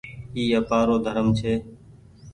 اي آپآرو ڌرم ڇي۔